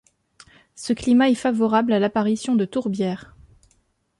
Ce climat est favorable à l'apparition de tourbières.